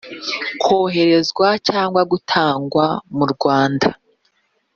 koherezwa cyangwa gutangwa mu Rwanda